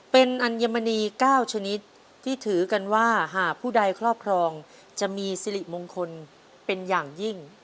เป็นอัญมณี๙ชนิดที่ถือกันว่าหากผู้ใดครอบครองจะมีสิริมงคลเป็นอย่างยิ่ง